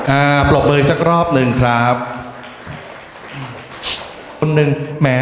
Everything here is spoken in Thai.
อ่าปลกเบยสักรอบหนึ่งครับมีคนหนึ่งแม่